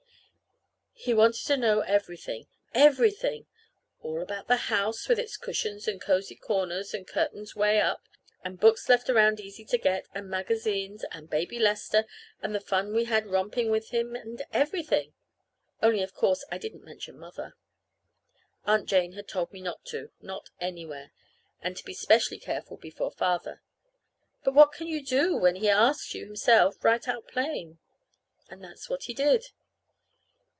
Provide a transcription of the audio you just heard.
He wanted to know everything, everything; all about the house, with its cushions and cozy corners and curtains 'way up, and books left around easy to get, and magazines, and Baby Lester, and the fun we had romping with him, and everything. Only, of course, I didn't mention Mother. Aunt Jane had told me not to not anywhere; and to be specially careful before Father. But what can you do when he asks you himself, right out plain? And that's what he did.